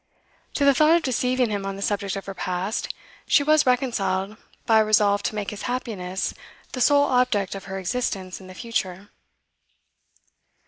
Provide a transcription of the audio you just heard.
To the thought of deceiving him on the subject of her past, she was reconciled by a resolve to make his happiness the sole object of her existence in the future.